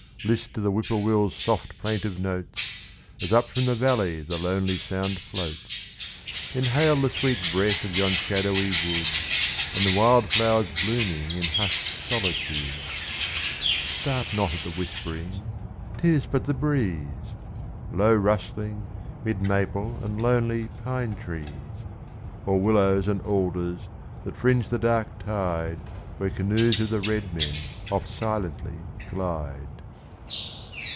list to the Whip poor will's soft plaintive notes, As up from the valley the lonely sound floats, Inhale the sweet breath of yon shadowy wood And the wild flowers blooming in hushed solitude. Start not at the whispering, 'tis but the breeze, Low rustling, 'mid maple and lonely pine trees, Or willows and alders that fringe the dark tide Where canoes of the red men oft silently glide.